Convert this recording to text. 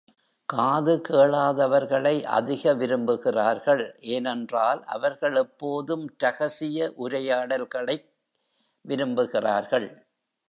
காது கேளாதவர்களை அதிக விரும்புகிறார்கள், ஏனென்றால் அவர்கள் எப்போதும் ரகசிய உரையாடல்களைக் விரும்புகிறார்கள்.